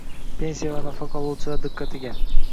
Pensiya va nafaqa oluvchilar diqqatiga!